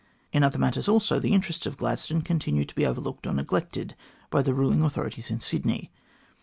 In other matters also the interests of Gladstone continued to be overlooked or neglected by the ruling authorities in Sydney.